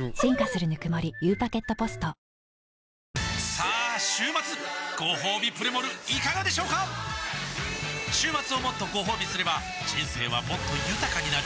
さあ週末ごほうびプレモルいかがでしょうか週末をもっとごほうびすれば人生はもっと豊かになる！